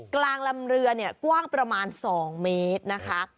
กลางลำเรือเนี่ยกว้างประมาณ๒เมตรนะคะ